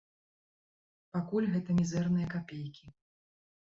Пакуль гэта мізэрныя капейкі.